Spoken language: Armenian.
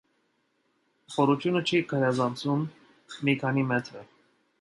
Խորությունը չի գերազանցում մի քանի մետրը։